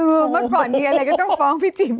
เออมัดผ่อนทีอะไรก็ต้องฟ้องพี่จิม